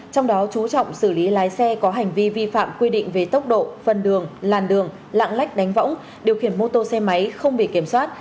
trong đó chú trọng xử lý lái xe có hành vi vi phạm quy định về tốc độ phân đường làn đường lạng lách đánh võng điều khiển mô tô xe máy không bị kiểm soát